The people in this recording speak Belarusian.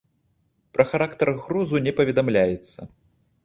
Пра характар грузу не паведамляецца.